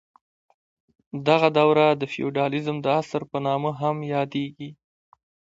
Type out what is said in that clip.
دغه دوره د فیوډالیزم د عصر په نامه هم یادیږي.